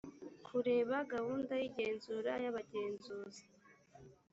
kureba gahunda y igenzura y abagenzuzi